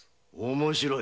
面白い。